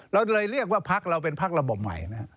เราเลยเรียกว่าพักเราเป็นพักระบบใหม่นะครับ